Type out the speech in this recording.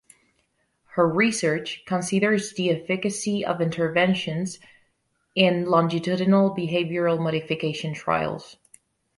Her research considers the efficacy of interventions in longitudinal behavioural modification trials.